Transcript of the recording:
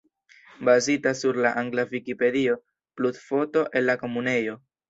Bazita sur la angla Vikipedio, plus foto el la Komunejo.